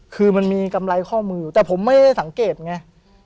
คือมันมีกำไรข้อมืออยู่แต่ผมไม่ได้สังเกตไง